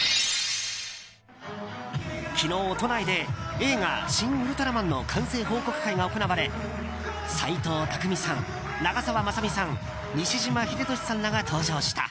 昨日都内で映画「シン・ウルトラマン」の完成報告会が行われ斎藤工さん、長澤まさみさん西島秀俊さんらが登場した。